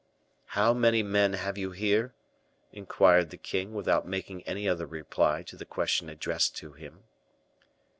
"How many men have you here?" inquired the king, without making any other reply to the question addressed to him.